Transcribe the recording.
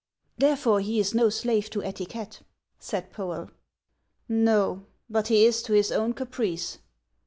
" Therefore he is no slave to etiquette," said Poel. " No ; but he is to his own caprice.